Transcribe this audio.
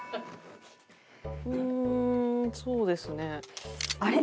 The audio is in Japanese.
うーんそうですね。あれ？